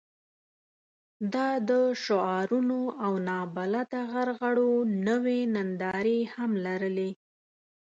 دا د شعارونو او نابلده غرغړو نوې نندارې هم لرلې.